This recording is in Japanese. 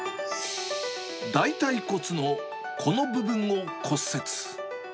大たい骨のこの部分を骨折。